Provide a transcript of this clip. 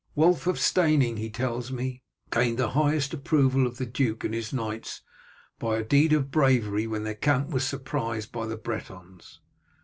Wulf of Steyning, he tells me, gained the highest approval of the duke and his knights by a deed of bravery when their camp was surprised by the Bretons.